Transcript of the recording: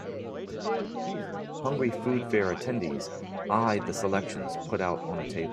Hungry food fair attendees eye the selections put out on a table.